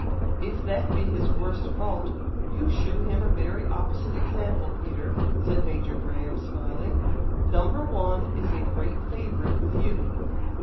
"If that be his worst fault, you shew him a very opposite example, Peter," said Major Graham, smiling; "number one is a great favourite with you."